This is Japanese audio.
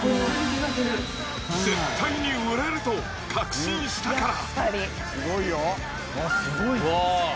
絶対に売れると確信したから。